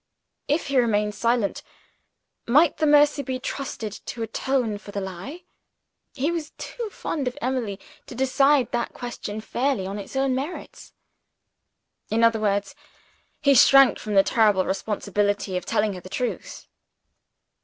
If he remained silent, might the mercy be trusted to atone for the lie? He was too fond of Emily to decide that question fairly, on its own merits. In other words, he shrank from the terrible responsibility of telling her the truth.